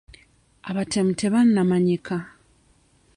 Abatemu tebannamanyika.